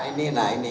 ini nah ini